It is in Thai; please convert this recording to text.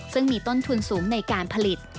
ซึ่งมีต้นทุนสูงในการผลิต